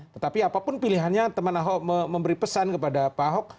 tetapi apapun pilihannya teman ahok memberi pesan kepada pak ahok